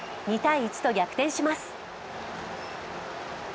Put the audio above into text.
２−１と逆転します。